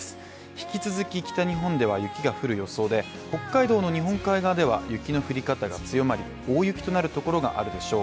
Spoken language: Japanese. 引き続き北日本では雪が降る予想で北海道の日本海側では、雪の降り方が強まり大雪となるところがあるでしょう。